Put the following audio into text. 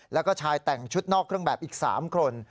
แล้วก็ชายแต่งชุดนอกเครื่องแบบอีก๓คน